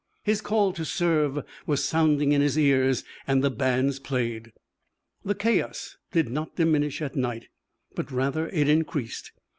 His call to serve was sounding in his ears. And the bands played. The chaos did not diminish at night, but, rather, it increased.